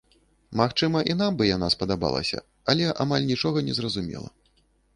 Магчыма, і нам бы яна спадабалася, але амаль нічога не зразумела.